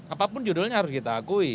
apapun judulnya harus kita akui